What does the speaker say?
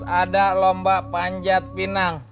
ada lomba panjat pinang